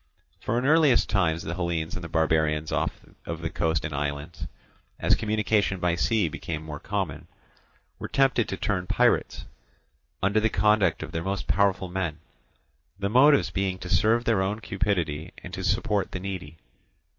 For in early times the Hellenes and the barbarians of the coast and islands, as communication by sea became more common, were tempted to turn pirates, under the conduct of their most powerful men; the motives being to serve their own cupidity and to support the needy.